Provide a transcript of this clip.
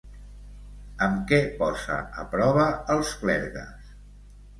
Amb què posa a prova als clergues?